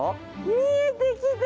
見えてきた！